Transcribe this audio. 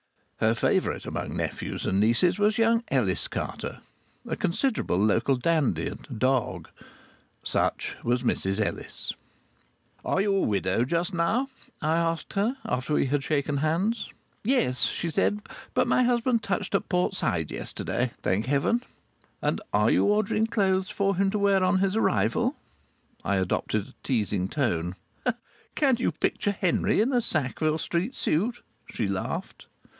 Her favourite among nephews and nieces was young Ellis Carter, a considerable local dandy and "dog." Such was Mrs Ellis. "Are you a widow just now?" I asked her, after we had shaken hands. "Yes," she said. "But my husband touched at Port Said yesterday, thank Heaven." "Are you ordering clothes for him to wear on his arrival?" I adopted a teasing tone. "Can you picture Henry in a Sackville Street suit?" she laughed.